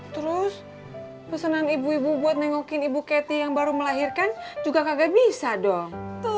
terus pesanan ibu ibu buat nengokin ibu keti yang baru melahirkan juga kagak bisa dong